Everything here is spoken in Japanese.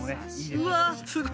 うわっすごい。